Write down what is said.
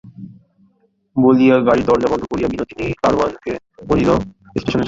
বলিয়া গাড়ির দরজা বন্ধ করিয়া বিনোদিনী গাড়োয়ানকে বলিল, স্টেশনে চলো।